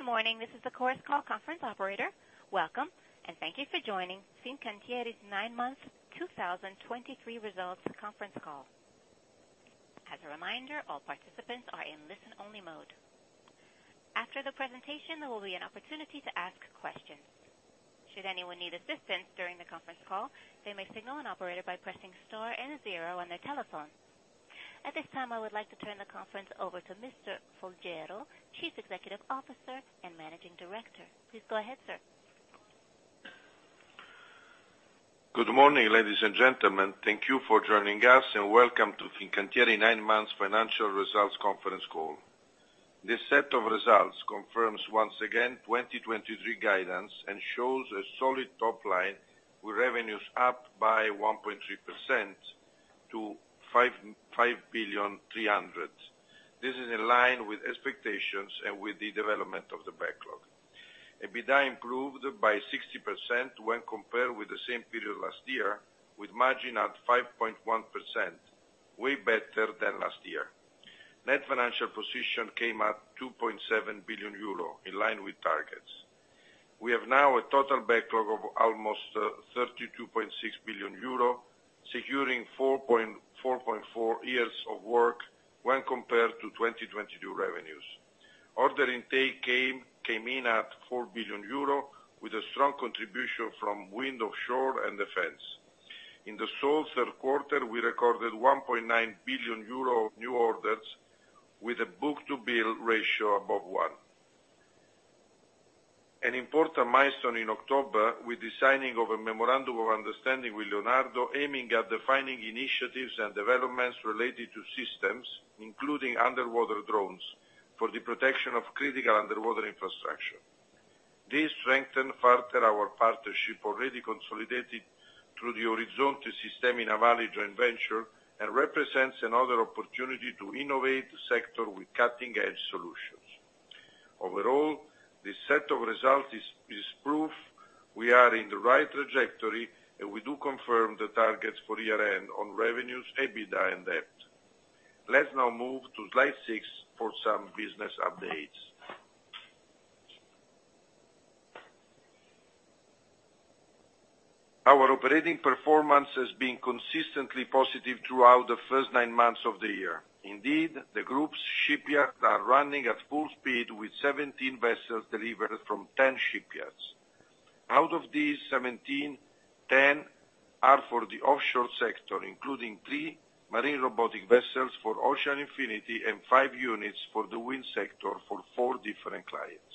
Good morning. This is the Chorus Call Conference Operator. Welcome, and thank you for joining Fincantieri's Nine-Month 2023 Results Conference Call. As a reminder, all participants are in listen-only mode. After the presentation, there will be an opportunity to ask questions. Should anyone need assistance during the conference call, they may signal an operator by pressing star and zero on their telephone. At this time, I would like to turn the conference over to Mr. Folgiero, Chief Executive Officer and Managing Director. Please go ahead, sir. Good morning, ladies and gentlemen. Thank you for joining us, and welcome to Fincantieri Nine Months Financial Results Conference Call. This set of results confirms once again 2023 guidance and shows a solid top line, with revenues up by 1.3% to 5.53 billion. This is in line with expectations and with the development of the backlog. EBITDA improved by 60% when compared with the same period last year, with margin at 5.1%, way better than last year. Net financial position came at 2.7 billion euro, in line with targets. We have now a total backlog of almost 32.6 billion euro, securing 4.4 years of work when compared to 2022 revenues. Order intake came in at 4 billion euro, with a strong contribution from wind offshore and defense. In the sole Q3, we recorded 1.9 billion euro new orders, with a book-to-bill ratio above one. An important milestone in October, with the signing of a memorandum of understanding with Leonardo, aiming at defining initiatives and developments related to systems, including underwater drones, for the protection of critical underwater infrastructure. This strengthened further our partnership, already consolidated through the Orizzonte Sistemi Navali joint venture, and represents another opportunity to innovate the sector with cutting-edge solutions. Overall, this set of results is proof we are in the right trajectory, and we do confirm the targets for year-end on revenues, EBITDA, and debt. Let's now move to slide six for some business updates. Our operating performance has been consistently positive throughout the first nine months of the year. Indeed, the group's shipyards are running at full speed, with 17 vessels delivered from 10 shipyards. Out of these 17, 10 are for the offshore sector, including three marine robotic vessels for Ocean Infinity and five units for the wind sector for four different clients.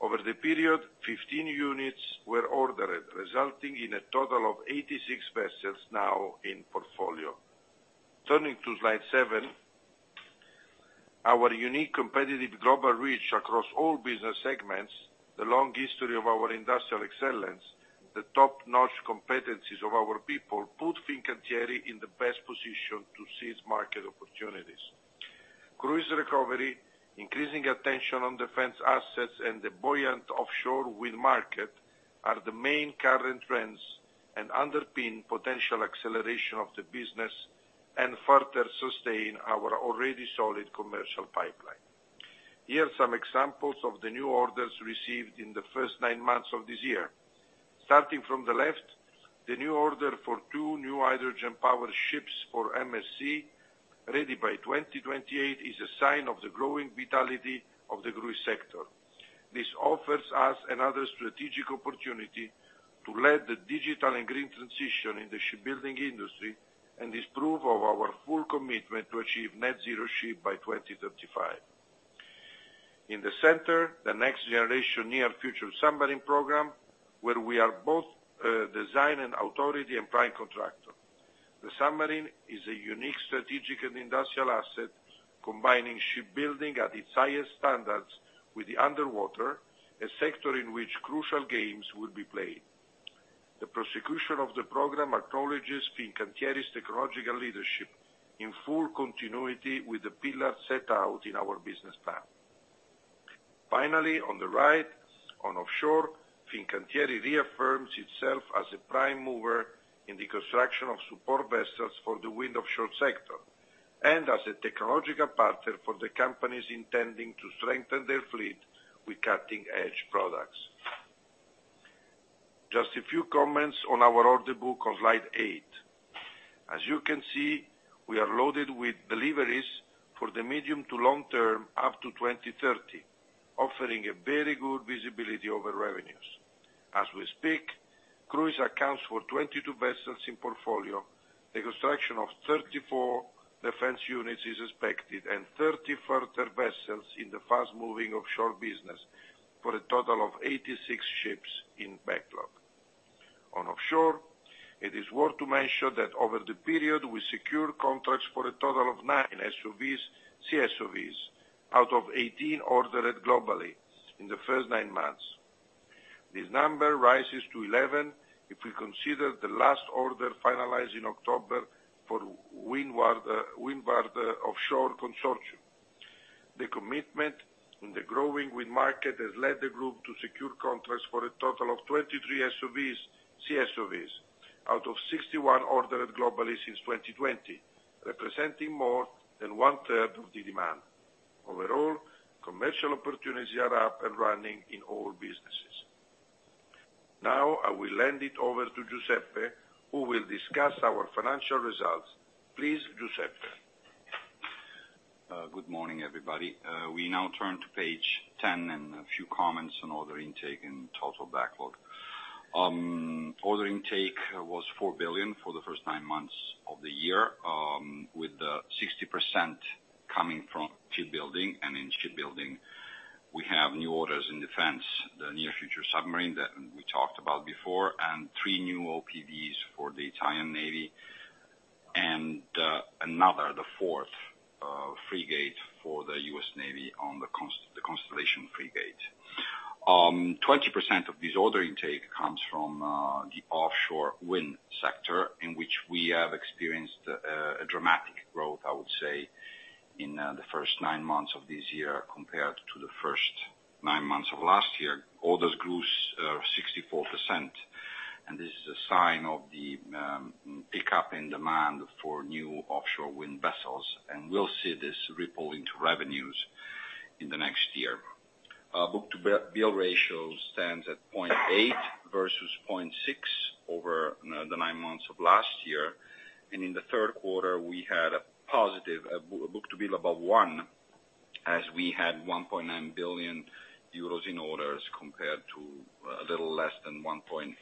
Over the period, 15 units were ordered, resulting in a total of 86 vessels now in portfolio. Turning to slide seven, our unique competitive global reach across all business segments, the long history of our industrial excellence, the top-notch competencies of our people, put Fincantieri in the best position to seize market opportunities. Cruise recovery, increasing attention on defense assets, and the buoyant offshore wind market are the main current trends and underpin potential acceleration of the business and further sustain our already solid commercial pipeline. Here are some examples of the new orders received in the first nine months of this year. Starting from the left, the new order for two new hydrogen-powered ships for MSC, ready by 2028, is a sign of the growing vitality of the cruise sector. This offers us another strategic opportunity to lead the digital and green transition in the shipbuilding industry, and is proof of our full commitment to achieve net zero ship by 2035. In the center, the next generation Near Future Submarine program, where we are both, design and authority and prime contractor. The submarine is a unique strategic and industrial asset, combining shipbuilding at its highest standards with the underwater, a sector in which crucial games will be played. The prosecution of the program acknowledges Fincantieri's technological leadership in full continuity with the pillars set out in our business plan. Finally, on the right, on offshore, Fincantieri reaffirms itself as a prime mover in the construction of support vessels for the wind offshore sector, and as a technological partner for the companies intending to strengthen their fleet with cutting-edge products. Just a few comments on our order book on slide eight. As you can see, we are loaded with deliveries for the medium to long term, up to 2030, offering a very good visibility over revenues. As we speak, cruise accounts for 22 vessels in portfolio. The construction of 34 defense units is expected, and 30 further vessels in the fast-moving offshore business, for a total of 86 ships in backlog. On offshore, it is worth to mention that over the period, we secured contracts for a total of nine SOVs, CSOVs, out of 18 ordered globally in the first nine months. This number rises to 11 if we consider the last order finalized in October for Windward Offshore consortium. The commitment in the growing wind market has led the group to secure contracts for a total of 23 SOVs, CSOVs out of 61 ordered globally since 2020, representing more than 1/3 of the demand. Overall, commercial opportunities are up and running in all businesses. Now, I will hand it over to Giuseppe, who will discuss our financial results. Please, Giuseppe. Good morning, everybody. We now turn to page 10, and a few comments on order intake and total backlog. Order intake was 4 billion for the first nine months of the year, with 60% coming from shipbuilding. And in shipbuilding, we have new orders in defense, the Near Future Submarine that we talked about before, and new OPVs for the Italian Navy, and another, the fourth, frigate for the U.S. Navy on the Constellation Frigate. 20% of this order intake comes from the offshore wind sector, in which we have experienced a dramatic growth, I would say, in the first nine months of this year compared to the first nine months of last year. Orders grew 64%, and this is a sign of the pickup in demand for new offshore wind vessels, and we'll see this ripple into revenues in the next year. Book-to-bill ratio stands at 0.8 versus 0.6 over the nine months of last year. In the Q3, we had a positive book-to-bill above one, as we had 1.9 billion euros in orders, compared to a little less than 1.9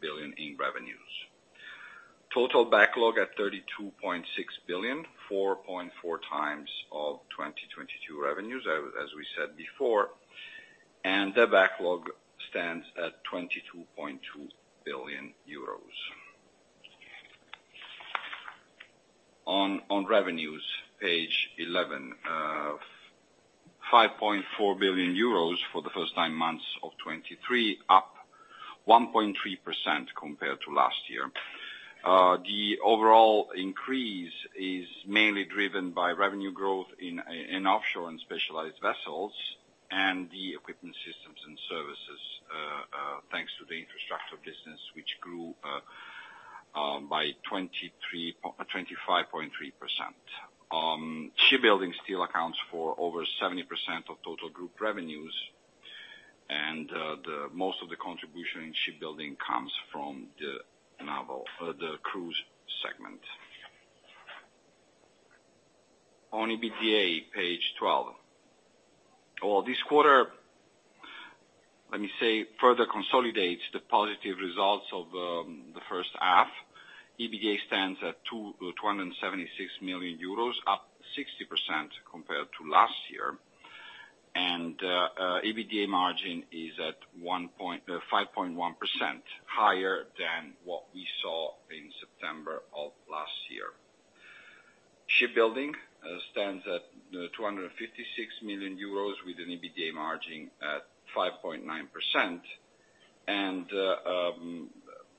billion in revenues. Total backlog at 32.6 billion, 4.4x of 2022 revenues, as we said before, and the backlog stands at 22.2 billion euros. On revenues, page eleven, 5.4 billion euros for the first nine months of 2023, up 1.3% compared to last year. The overall increase is mainly driven by revenue growth in offshore and specialized vessels, and the equipment systems and services, thanks to the infrastructure business, which grew by 25.3%. Shipbuilding still accounts for over 70% of total group revenues, and the most of the contribution in shipbuilding comes from the cruise segment. On EBITDA, page 12. Well, this quarter, let me say, further consolidates the positive results of the first half. EBITDA stands at 276 million euros, up 60% compared to last year. EBITDA margin is at 5.1% higher than what we saw in September of last year. Shipbuilding stands at 256 million euros, with an EBITDA margin at 5.9%.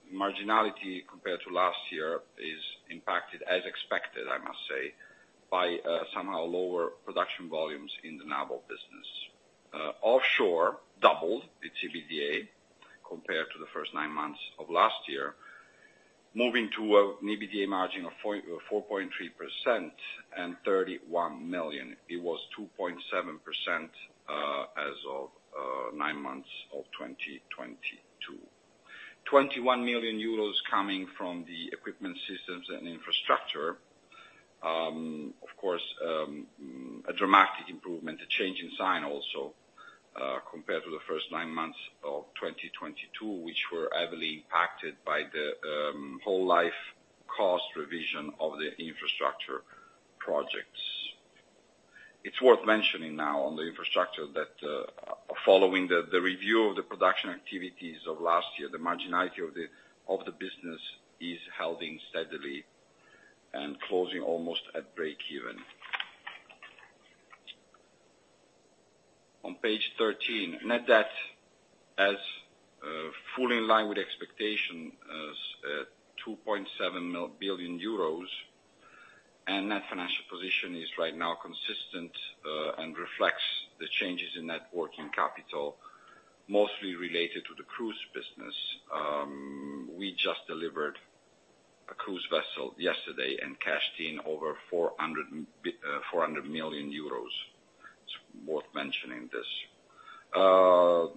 Marginality compared to last year is impacted, as expected, I must say, by somehow lower production volumes in the naval business. Offshore doubled its EBITDA compared to the first nine months of last year, moving to an EBITDA margin of 4.3% and 31 million. It was 2.7% as of nine months of 2022. 21 million euros coming from the equipment systems and infrastructure. Of course, a dramatic improvement, a change in sign also compared to the first nine months of 2022, which were heavily impacted by the whole life cost revision of the infrastructure projects. It's worth mentioning now on the infrastructure, that, following the review of the production activities of last year, the marginality of the business is holding steadily and closing almost at breakeven. On page 13, net debt as, fully in line with expectation, is at 2.7 billion euros, and net financial position is right now consistent, and reflects the changes in net working capital, mostly related to the cruise business. We just delivered a cruise vessel yesterday and cashed in over 400 million euros. It's worth mentioning this.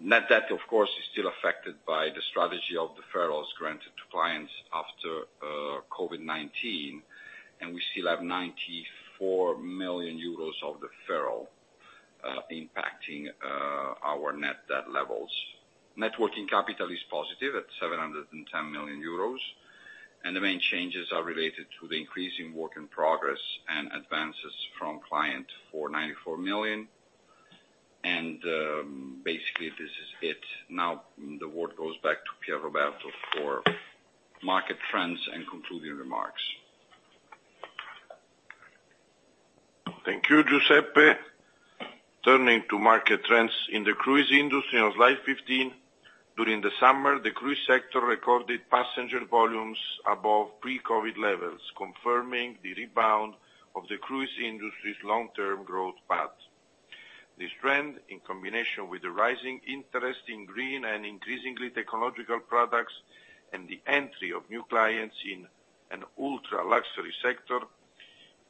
Net debt, of course, is still affected by the strategy of the deferrals granted to clients after, COVID-19, and we still have 94 million euros of the deferral, impacting, our net debt levels. Net Working Capital is positive at 710 million euros, and the main changes are related to the increase in work in progress and advances from client for 94 million. Basically, this is it. Now, the word goes back to Pierroberto for market trends and concluding remarks. Thank you, Giuseppe. Turning to market trends in the cruise industry on slide 15, during the summer, the cruise sector recorded passenger volumes above pre-COVID levels, confirming the rebound of the cruise industry's long-term growth path. This trend, in combination with the rising interest in green and increasingly technological products, and the entry of new clients in an ultra-luxury sector,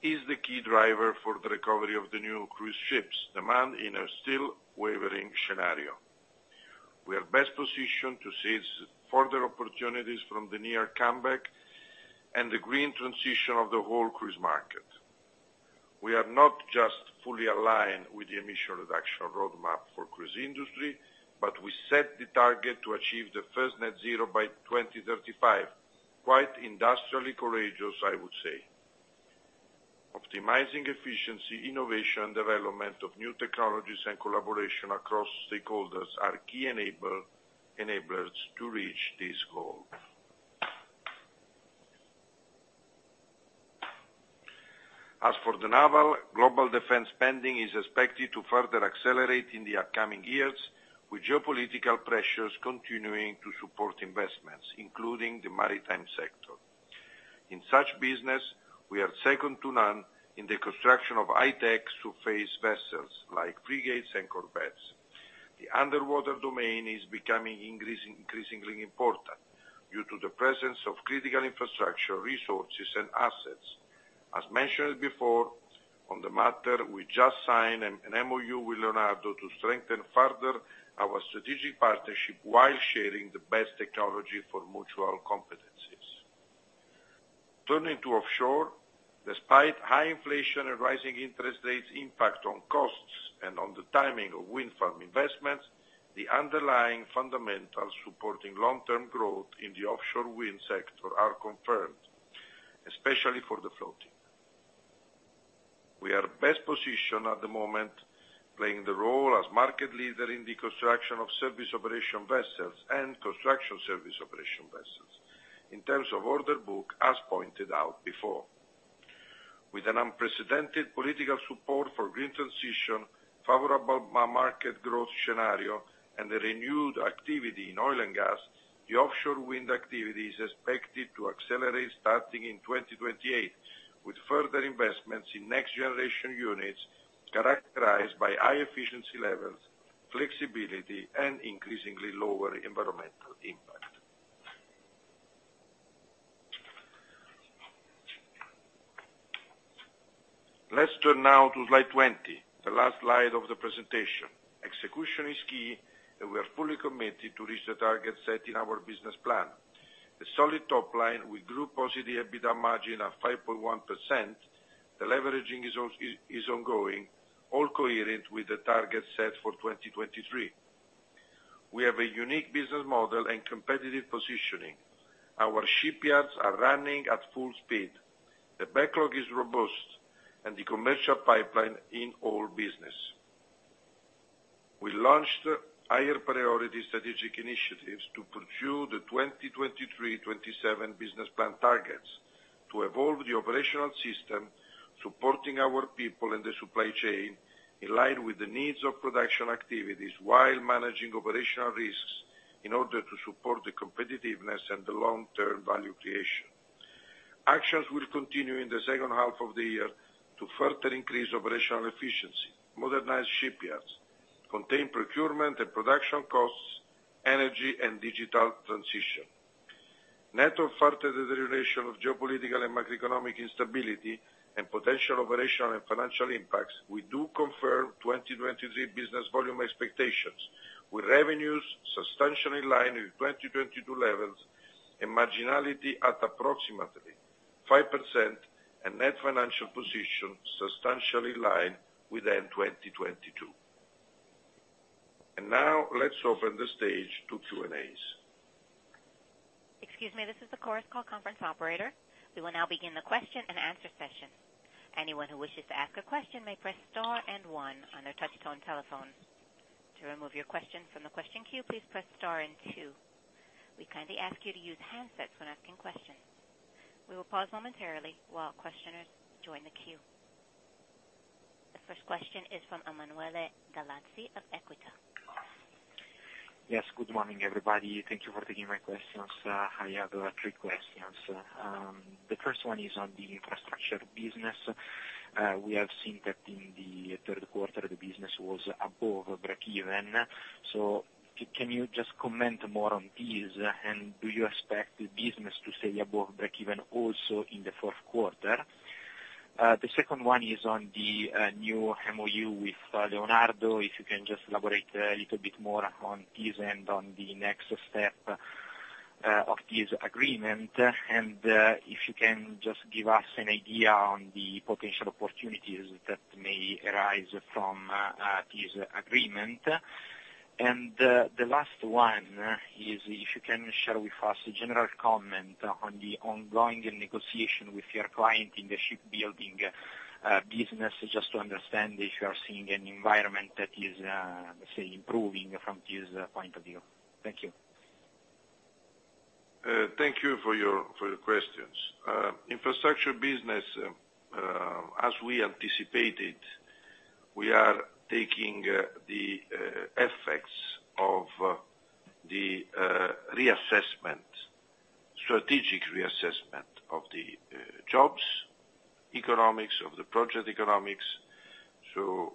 is the key driver for the recovery of the new cruise ships demand in a still wavering scenario. We are best positioned to seize further opportunities from the near comeback and the green transition of the whole cruise market. We are not just fully aligned with the emission reduction roadmap for cruise industry, but we set the target to achieve the first net zero by 2035. Quite industrially courageous, I would say. Optimizing efficiency, innovation, and development of new technologies and collaboration across stakeholders are key enablers to reach this goal. As for the naval, global defense spending is expected to further accelerate in the upcoming years, with geopolitical pressures continuing to support investments, including the maritime sector. In such business, we are second to none in the construction of high-tech surface vessels, like frigates and corvettes. The underwater domain is becoming increasingly important due to the presence of critical infrastructure, resources, and assets. As mentioned before, on the matter, we just signed an MOU with Leonardo to strengthen further our strategic partnership, while sharing the best technology for mutual competencies. Turning to offshore, despite high inflation and rising interest rates impact on costs and on the timing of wind farm investments, the underlying fundamentals supporting long-term growth in the offshore wind sector are confirmed, especially for the floating. We are best positioned at the moment, playing the role as market leader in the construction of service operation vessels and construction service operation vessels in terms of order book, as pointed out before. With an unprecedented political support for green transition, favorable market growth scenario, and a renewed activity in oil and gas, the offshore wind activity is expected to accelerate starting in 2028, with further investments in next generation units characterized by high efficiency levels, flexibility, and increasingly lower environmental impact. Let's turn now to slide 20, the last slide of the presentation. Execution is key, and we are fully committed to reach the targets set in our business plan. The solid top line, we grew positive EBITDA margin of 5.1%. The leveraging is ongoing, all coherent with the target set for 2023. We have a unique business model and competitive positioning. Our shipyards are running at full speed. The backlog is robust and the commercial pipeline in all business. We launched higher priority strategic initiatives to pursue the 2023-2027 business plan targets to evolve the operational system, supporting our people in the supply chain in line with the needs of production activities, while managing operational risks in order to support the competitiveness and the long-term value creation. Actions will continue in the second half of the year to further increase operational efficiency, modernize shipyards, contain procurement and production costs, energy and digital transition. Net of further deterioration of geopolitical and macroeconomic instability and potential operational and financial impacts, we do confirm 2023 business volume expectations, with revenues substantially in line with 2022 levels and marginality at approximately 5%, and net financial position substantially in line with end 2022. Now, let's open the stage to Q&As. Excuse me, this is the Chorus Call Conference operator. We will now begin the question-and-answer session. Anyone who wishes to ask a question may press star and one on their touchtone telephone. To remove your question from the question queue, please press star and two. We kindly ask you to use handsets when asking questions. We will pause momentarily while questioners join the queue. The first question is from Emanuele Gallazzi of Equita. Yes, good morning, everybody. Thank you for taking my questions. I have three questions. The first one is on the infrastructure business. We have seen that in the Q3, the business was above breakeven. So can you just comment more on this, and do you expect the business to stay above breakeven also in the Q4? The second one is on the new MoU with Leonardo. If you can just elaborate a little bit more on this and on the next step of this agreement, and if you can just give us an idea on the potential opportunities that may arise from this agreement. And, the last one is if you can share with us a general comment on the ongoing negotiation with your client in the shipbuilding business, just to understand if you are seeing an environment that is, say, improving from this point of view? Thank you. Thank you for your questions. Infrastructure business, as we anticipated, we are taking the reassessment, strategic reassessment of the jobs, economics, of the project economics. So,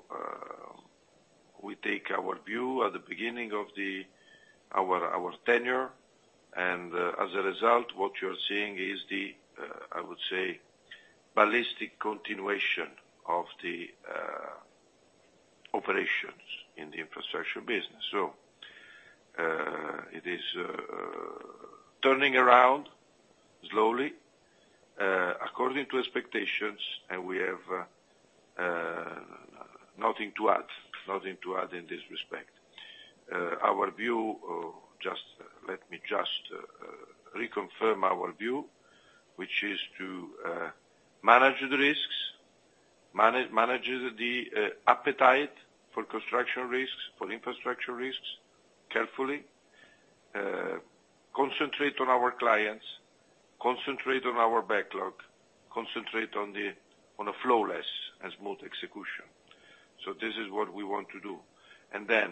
we take our view at the beginning of our tenure, and as a result, what you're seeing is the, I would say, ballistic continuation of the operations in the infrastructure business. So, it is turning around slowly according to expectations, and we have nothing to add, nothing to add in this respect. Our view, just let me reconfirm our view, which is to manage the risks, manage the appetite for construction risks, for infrastructure risks, carefully. Concentrate on our clients, concentrate on our backlog, concentrate on a flawless and smooth execution. So this is what we want to do. And then,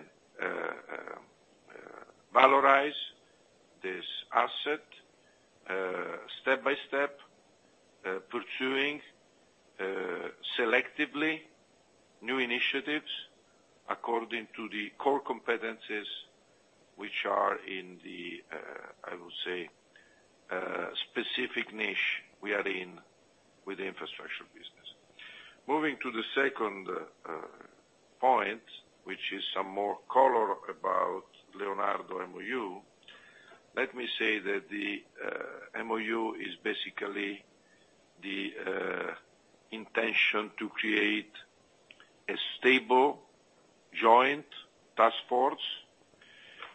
valorize this asset, step by step, pursuing, selectively, new initiatives according to the core competencies, which are in the, I would say, specific niche we are in with the infrastructure business. Moving to the second point, which is some more color about Leonardo MoU. Let me say that the MoU is basically the intention to create a stable joint task force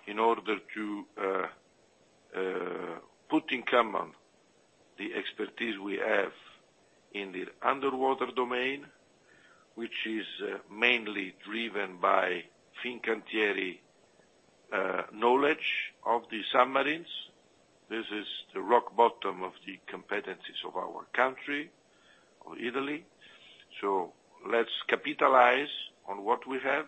in order to put in common the expertise we have in the underwater domain, which is mainly driven by Fincantieri knowledge of the submarines. This is the rock bottom of the competencies of our country, of Italy. So let's capitalize on what we have,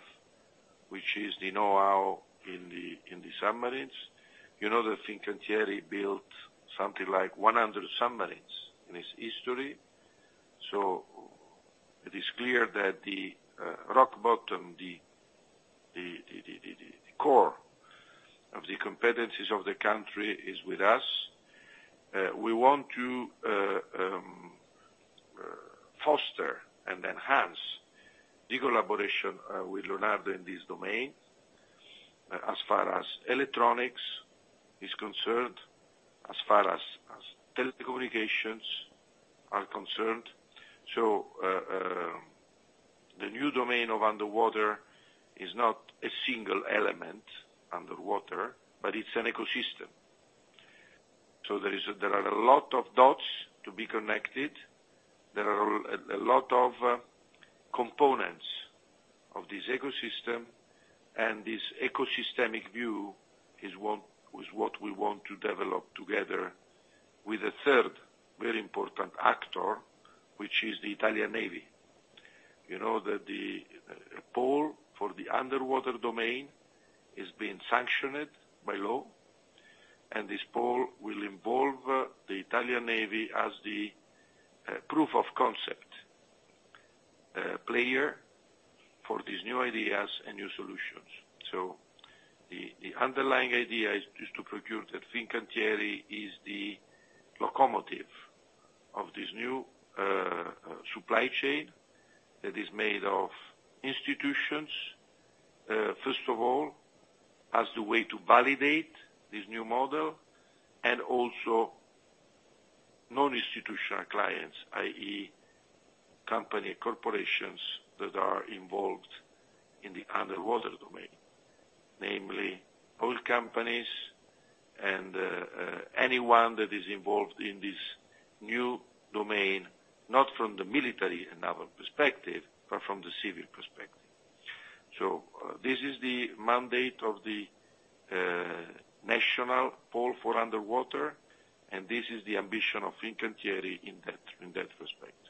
which is the know-how in the submarines. You know, that Fincantieri built something like 100 submarines in its history, so it is clear that the rock bottom, the core of the competencies of the country is with us. We want to foster and enhance the collaboration with Leonardo in this domain, as far as electronics is concerned, as far as telecommunications are concerned. So, the new domain of underwater is not a single element underwater, but it's an ecosystem. So there is a, there are a lot of dots to be connected. There are a lot of components of this ecosystem, and this ecosystemic view is what we want to develop together with a third very important actor, which is the Italian Navy. You know that the Pole for the Underwater domain is being sanctioned by law, and this Pole will involve the Italian Navy as the proof of concept player for these new ideas and new solutions. So the underlying idea is to procure that Fincantieri is the locomotive of this new supply chain that is made of institutions first of all, as the way to validate this new model, and also non-institutional clients, i.e., company corporations that are involved in the Underwater domain. Namely, oil companies and anyone that is involved in this new domain, not from the military and naval perspective, but from the civil perspective. So this is the mandate of the National Pole for Underwater, and this is the ambition of Fincantieri in that respect.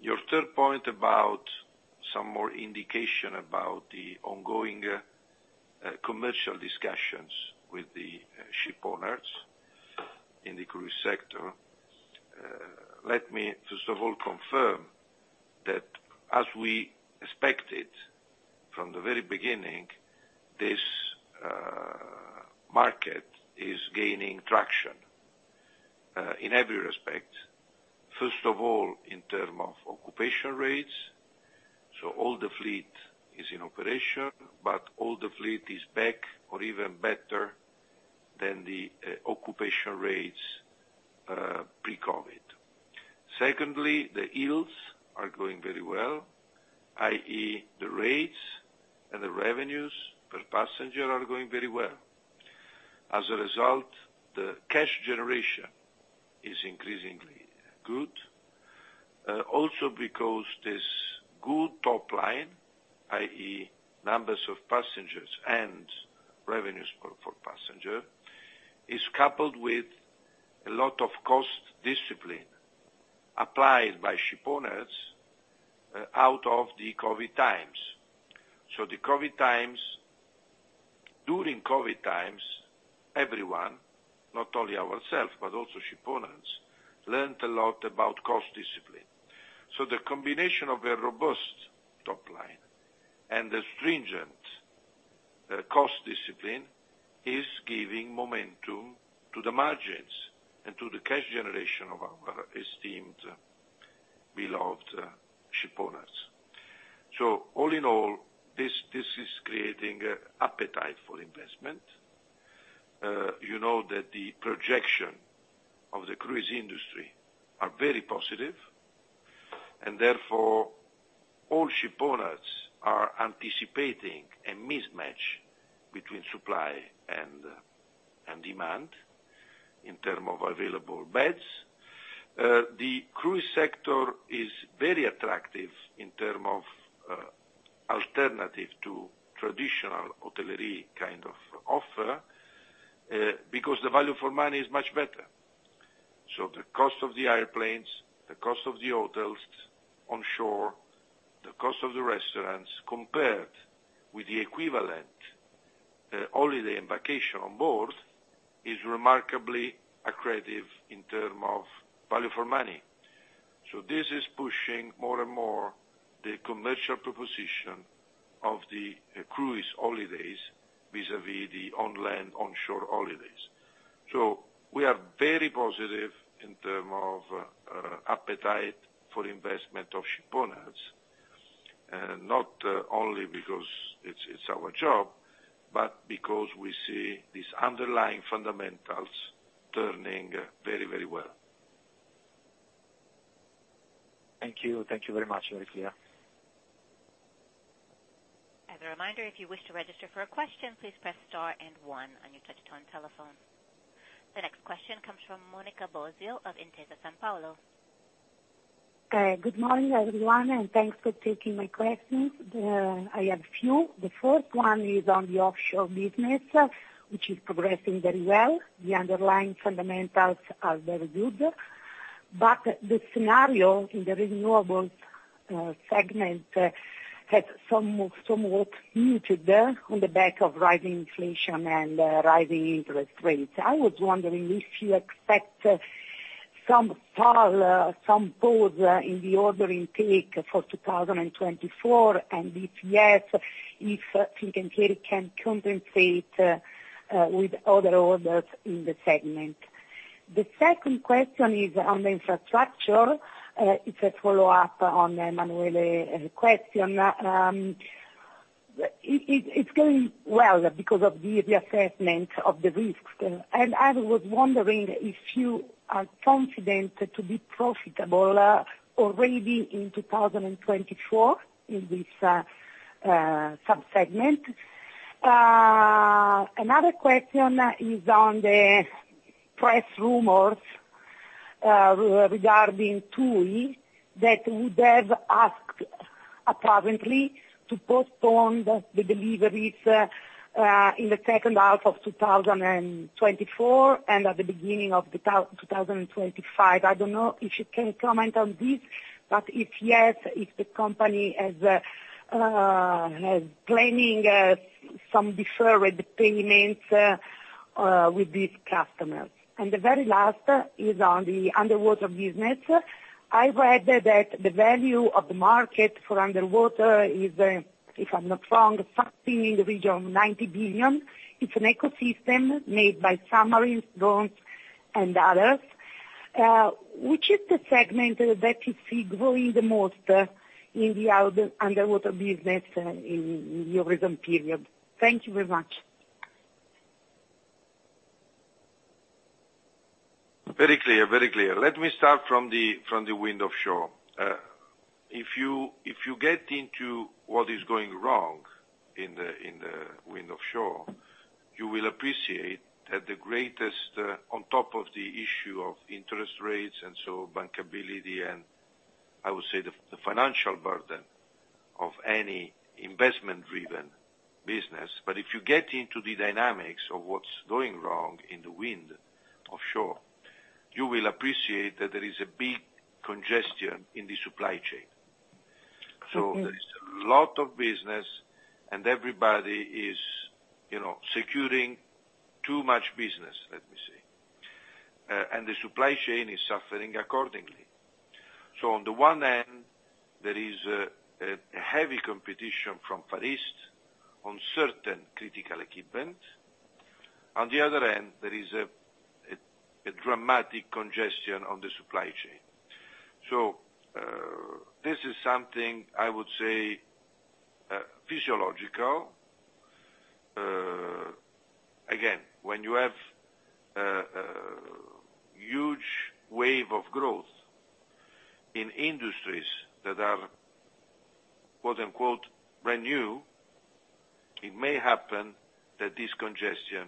Your third point about some more indication about the ongoing commercial discussions with the ship owners in the cruise sector. Let me, first of all, confirm that as we expected from the very beginning, this market is gaining traction in every respect, first of all, in terms of occupation rates. So all the fleet is in operation, but all the fleet is back or even better than the occupation rates pre-COVID. Secondly, the yields are going very well, i.e., the rates and the revenues per passenger are going very well. As a result, the cash generation is increasingly good also because this good top line, i.e., numbers of passengers and revenues is coupled with a lot of cost discipline applied by shipowners out of the COVID times. So the COVID times, during COVID times, everyone, not only ourselves, but also shipowners, learned a lot about cost discipline. So the combination of a robust top line and the stringent cost discipline is giving momentum to the margins and to the cash generation of our esteemed, beloved shipowners. So all in all, this is creating appetite for investment. You know that the projection of the cruise industry are very positive, and therefore, all shipowners are anticipating a mismatch between supply and demand in terms of available beds. The cruise sector is very attractive in terms of alternative to traditional hotelier kind of offer because the value for money is much better. So the cost of the airplanes, the cost of the hotels on shore, the cost of the restaurants, compared with the equivalent holiday and vacation on board, is remarkably accretive in terms of value for money. So this is pushing more and more the commercial proposition of the cruise holidays vis-à-vis the on land, on shore holidays. So we are very positive in terms of appetite for investment of shipowners, and not only because it's, it's our job, but because we see these underlying fundamentals turning very, very well. Thank you. Thank you very much. Very clear. As a reminder, if you wish to register for a question, please press star and one on your touch-tone telephone. The next question comes from Monica Bosio of Intesa Sanpaolo. Good morning, everyone, and thanks for taking my questions. I have a few. The first one is on the offshore business, which is progressing very well. The underlying fundamentals are very good, but the scenario in the renewables segment had some somewhat muted there on the back of rising inflation and rising interest rates. I was wondering if you expect some pause in the order intake for 2024, and if yes, if Fincantieri can compensate with other orders in the segment. The second question is on the infrastructure. It's a follow-up on the Emanuele question. It's going well because of the assessment of the risks. And I was wondering if you are confident to be profitable already in 2024 in this sub-segment. Another question is on the press rumors regarding TUI that would have asked, apparently, to postpone the deliveries in the second half of 2024 and at the beginning of 2025. I don't know if you can comment on this, but if yes, if the company has planning some deferred payments with these customers. And the very last is on the underwater business. I read that the value of the market for underwater is, if I'm not wrong, something in the region of 90 billion. It's an ecosystem made by submarines, drones, and others. Which is the segment that you see growing the most in the underwater business in the recent period? Thank you very much. Very clear, very clear. Let me start from the wind offshore. If you get into what is going wrong in the wind offshore, you will appreciate that the greatest on top of the issue of interest rates, and so bankability, and I would say the financial burden of any investment-driven business. But if you get into the dynamics of what's going wrong in the wind offshore, you will appreciate that there is a big congestion in the supply chain. So there is a lot of business, and everybody is, you know, securing too much business, let me say, and the supply chain is suffering accordingly. So on the one hand, there is a heavy competition from Far East on certain critical equipment. On the other hand, there is a dramatic congestion on the supply chain. So this is something I would say, physiological. Again, when you have a huge wave of growth in industries that are, quote, unquote, "brand new," it may happen that this congestion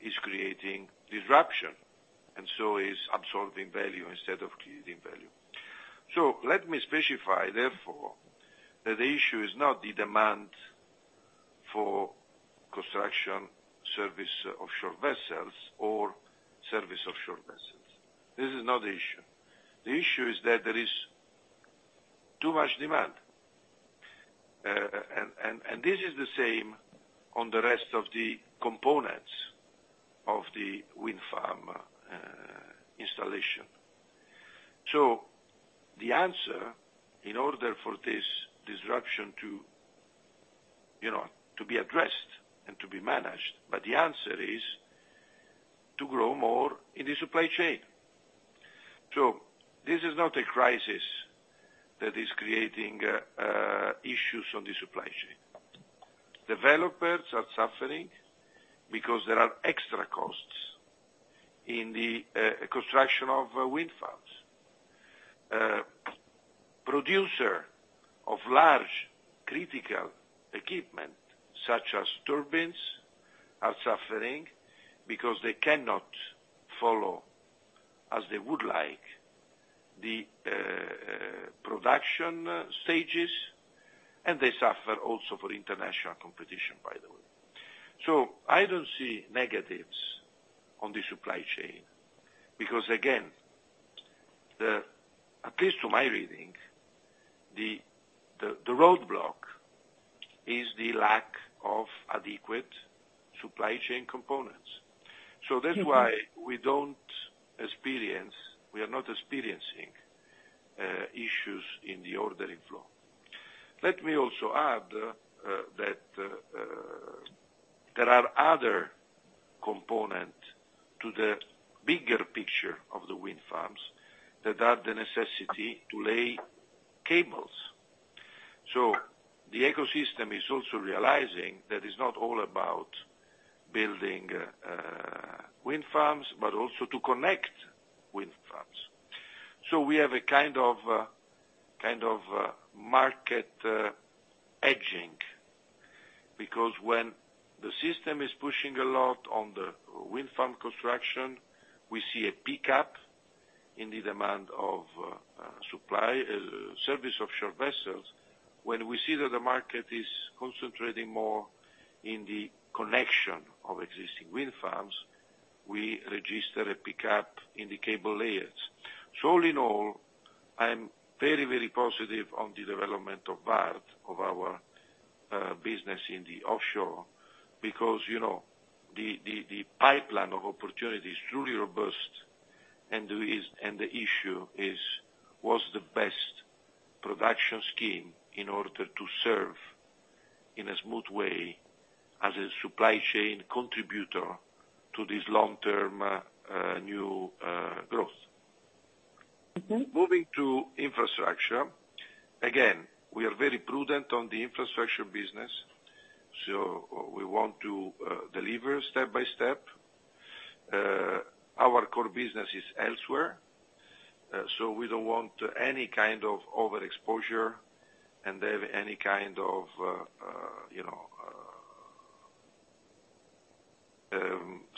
is creating disruption, building value instead of creating value. So let me specify, therefore, that the issue is not the demand for construction, service offshore vessels or service offshore vessels. This is not the issue. The issue is that there is too much demand. And this is the same on the rest of the components of the wind farm installation. So the answer, in order for this disruption to, you know, to be addressed and to be managed, but the answer is to grow more in the supply chain. So this is not a crisis that is creating issues on the supply chain. Developers are suffering because there are extra costs in the construction of wind farms. Producer of large critical equipment, such as turbines, are suffering because they cannot follow, as they would like, the production stages, and they suffer also for international competition, by the way. So I don't see negatives on the supply chain, because again, at least to my reading, the roadblock is the lack of adequate supply chain components. So that's why we are not experiencing issues in the ordering flow. Let me also add that there are other component to the bigger picture of the wind farms that are the necessity to lay cables. So the ecosystem is also realizing that it's not all about building wind farms, but also to connect wind farms. So we have a kind of kind of market edging, because when the system is pushing a lot on the wind farm construction, we see a pickup in the demand of supply service offshore vessels. When we see that the market is concentrating more in the connection of existing wind farms, we register a pickup in the cable layers. So all in all, I'm very, very positive on the development of Vard, of our business in the offshore, because, you know, the pipeline of opportunity is truly robust, and the issue is, what's the best production scheme in order to serve in a smooth way as a supply chain contributor to this long-term, new growth? Moving to infrastructure, again, we are very prudent on the infrastructure business, so we want to deliver step by step. Our core business is elsewhere, so we don't want any kind of overexposure and have any kind of, you know,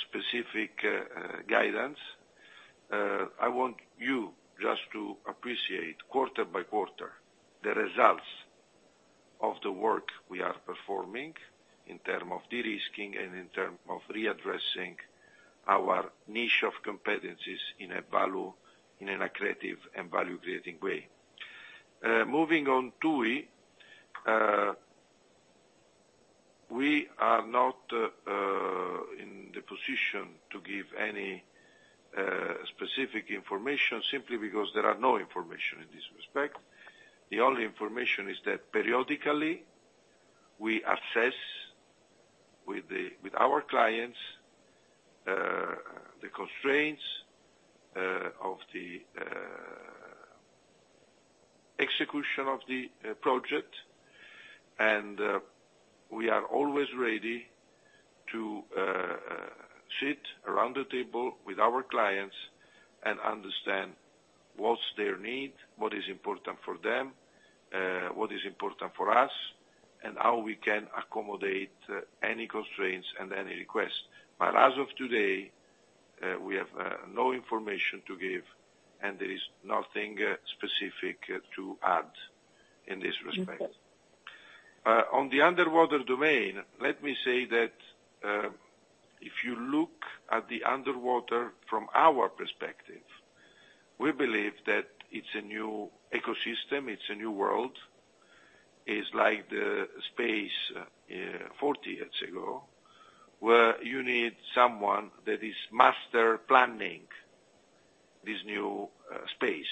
specific guidance. I want you just to appreciate quarter by quarter, the results of the work we are performing in term of de-risking and in term of readdressing our niche of competencies in a value, in an accretive and value-creating way. Moving on TUI. We are not in the position to give any specific information simply because there are no information in this respect. The only information is that periodically we assess with our clients the constraints of the execution of the project, and we are always ready to sit around the table with our clients and understand what's their need, what is important for them, what is important for us, and how we can accommodate any constraints and any requests. But as of today, we have no information to give, and there is nothing specific to add in this respect. On the underwater domain, let me say that, if you look at the underwater from our perspective, we believe that it's a new ecosystem, it's a new world. It's like the space, 40 years ago, where you need someone that is master planning this new, space.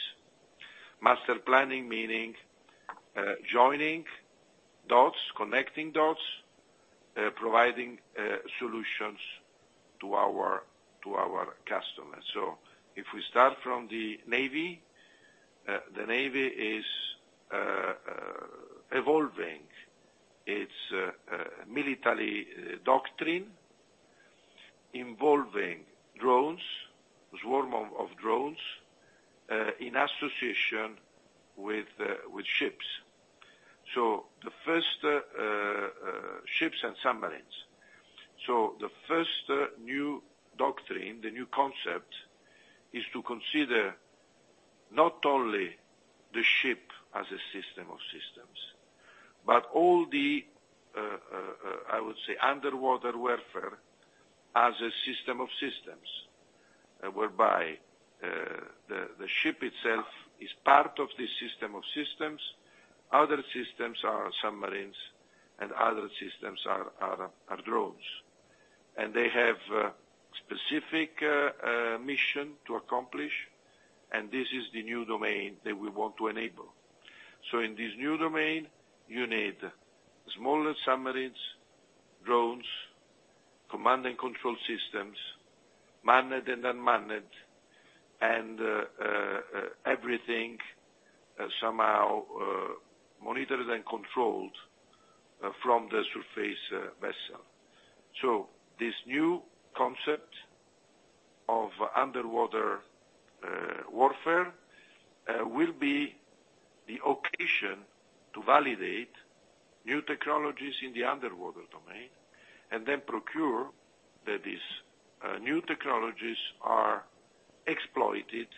Master planning, meaning, joining dots, connecting dots, providing solutions to our customers. So if we start from the navy, the navy is evolving its military doctrine, involving drones, swarm of drones, in association with ships. So the first ships and submarines. So the first new doctrine, the new concept, is to consider not only the ship as a system of systems, but all the, I would say, underwater warfare as a system of systems. Whereby the ship itself is part of this system of systems, other systems are submarines, and other systems are drones. They have specific mission to accomplish, and this is the new domain that we want to enable. In this new domain, you need smaller submarines, drones, command and control systems, manned and unmanned, and everything somehow monitored and controlled from the surface vessel. This new concept of underwater warfare will be the occasion to validate new technologies in the underwater domain, and then procure that these new technologies are exploited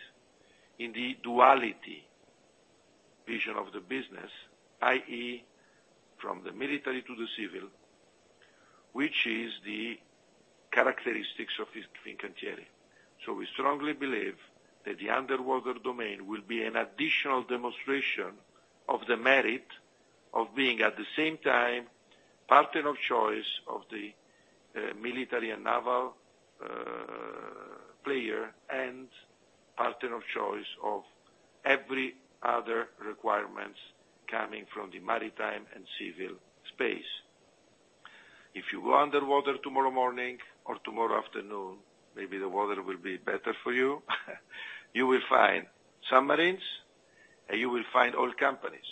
in the duality vision of the business, i.e., from the military to the civil, which is the characteristics of Fincantieri. So we strongly believe that the underwater domain will be an additional demonstration of the merit of being, at the same time, partner of choice of the military and naval player, and partner of choice of every other requirements coming from the maritime and civil space. If you go underwater tomorrow morning or tomorrow afternoon, maybe the water will be better for you, you will find submarines, and you will find oil companies.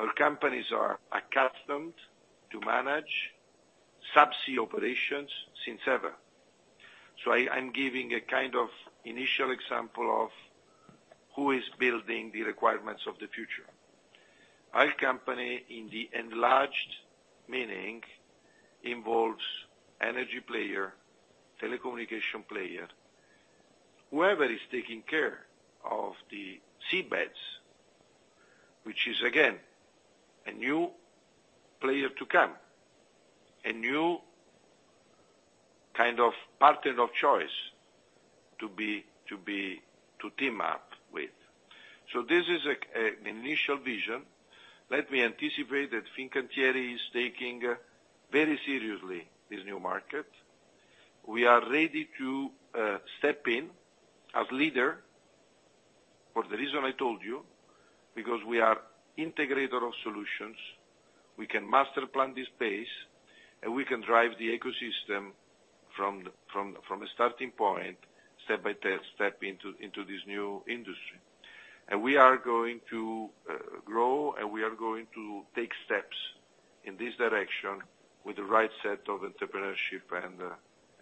Oil companies are accustomed to manage sub-sea operations since ever. So I'm giving a kind of initial example of who is building the requirements of the future. Oil company, in the enlarged meaning, involves energy player, telecommunication player, whoever is taking care of the seabeds, which is, again, a new player to come, a new kind of partner of choice to be team up with. So this is an initial vision. Let me anticipate that Fincantieri is taking very seriously this new market. We are ready to step in as leader, for the reason I told you, because we are integrator of solutions, we can master plan this space, and we can drive the ecosystem from a starting point, step by step into this new industry. And we are going to grow, and we are going to take steps in this direction with the right set of entrepreneurship and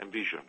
vision.